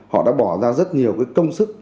họ đã bỏ ra rất nhiều công sức